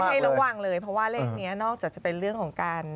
ให้ระวังเลยเพราะว่าเลขนี้นอกจากจะเป็นเรื่องของการ